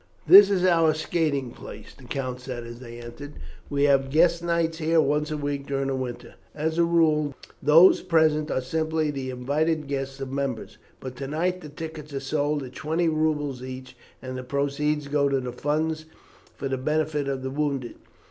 "This is our skating place," the count said as they entered. "We have guest nights here once a week during the winter. As a rule, those present are simply the invited guests of members; but to night the tickets are sold at twenty roubles each, and the proceeds go to the funds for the benefit of the wounded.